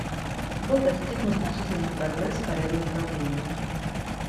Был достигнут значительный прогресс по ряду направлений.